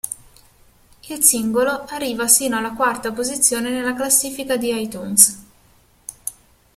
Il singolo arriva sino alla quarta posizione nella classifica di iTunes.